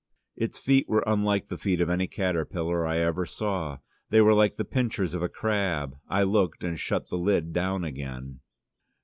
Its feet were unlike the feet of any caterpillar I ever saw: they were like the pincers of a crab. I looked, and shut the lid down again.